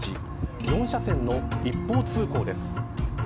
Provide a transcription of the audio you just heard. ４車線の一方通行です。